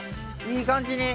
いい感じに。